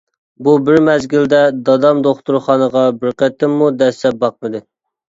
بۇ بىر مەزگىلدە دادام دوختۇرخانىغا بىر قېتىممۇ دەسسەپ باقمىدى.